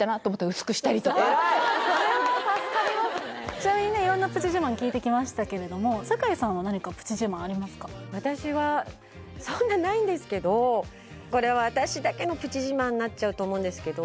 ちなみにね色んなプチ自慢聞いてきましたけれども私はそんなないんですけどこれは私だけのプチ自慢になっちゃうと思うんですけど